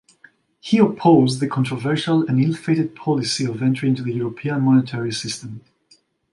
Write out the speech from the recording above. He opposed the controversial and ill-fated policy of entry into the European Monetary System.